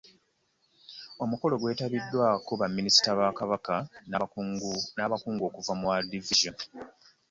Omukolo gwetabiddwako ba minisita ba Kabaka n'abakungu okuva mu World Vision